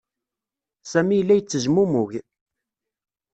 Sami yella yettezmumug.